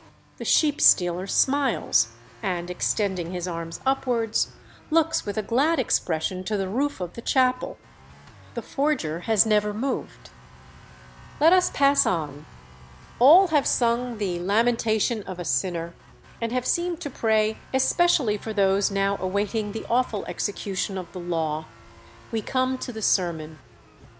The sheep stealer smiles, and, extending his arms upwards, looks with a glad expression to the roof of the chapel. The forger has never moved. "Let us pass on. All have sung 'the Lamentation of a Sinner,' and have seemed to pray 'especially for those now awaiting the awful execution of the law.' We come to the sermon.